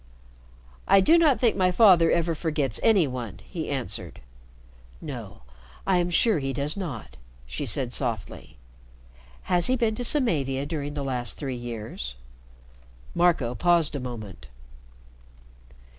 "I do not think my father ever forgets any one," he answered. "No, I am sure he does not," she said softly. "Has he been to Samavia during the last three years?" Marco paused a moment.